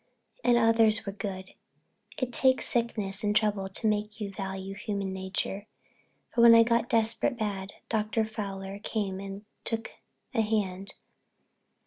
And others were good—it takes sickness and trouble to make you value human nature—for when I got desperate bad Dr. Fowler came over and took a hand.